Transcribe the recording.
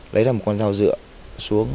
lấy ra một con dao dựa xuống